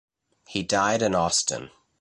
He died in Austin.